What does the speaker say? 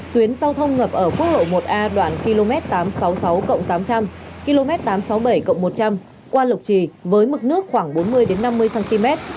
tuyến giao thông ngập ở quốc lộ một a đoạn km tám trăm sáu mươi sáu tám trăm linh km tám trăm sáu mươi bảy một trăm linh qua lục trì với mực nước khoảng bốn mươi năm mươi cm